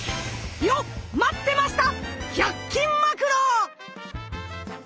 よっ待ってました！